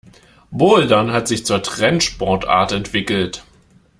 Bouldern hat sich zur Trendsportart entwickelt.